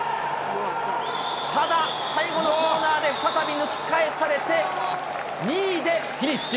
ただ、最後のコーナーで再び抜き返されて、２位でフィニッシュ。